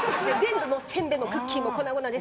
せんべいもクッキーも粉々です。